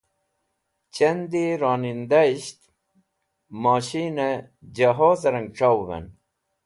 Chandi Ronindahisht Mosheene Johoze Rang C̃hawuven